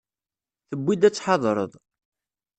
Tewwi-d ad tḥadreḍ.